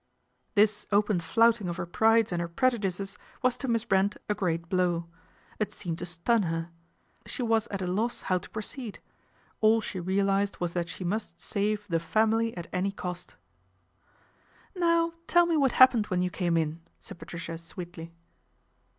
This open flouting of her prides and her preju dices was to Miss Brent a great blow. It seemed to stun her. She was at a loss how to proceed ; PATRICIA'S INCONSTANCY 245 all she realised was that she must save " the Family " at any cost. " Now tell me what happened when you came in," said Patricia sweetly.